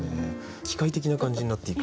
機械的な感じになっていく。